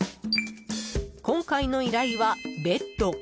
今回の依頼はベッド。